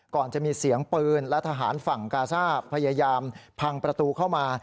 ก่อนจะมีเสียงปืนและทหารฝั่งกาซ่าพยายามพังประตูเข้ามา